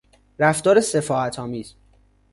رفتار سفاهت آمیز